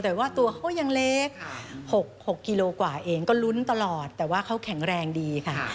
แต่ว่าตัวเขายังเล็ก๖กิโลกว่าเองก็ลุ้นตลอดแต่ว่าเขาแข็งแรงดีค่ะ